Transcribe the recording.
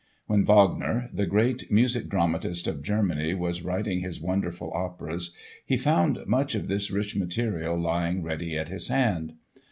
When Wagner, the great music dramatist of Germany, was writing his wonderful operas, he found much of this rich material lying ready at his hand.